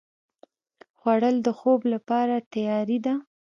خوړل د خوب لپاره تیاري ده